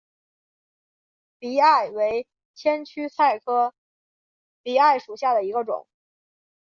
荸艾为千屈菜科荸艾属下的一个种。